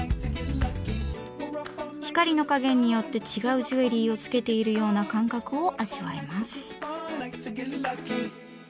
光の加減によって違うジュエリーをつけているような感覚を味わえます。